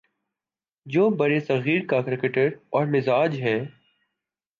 جو برصغیر کا کریکٹر اور مزاج ہے۔